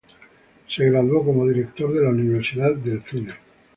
Se graduó como director en la Universidad del Cine.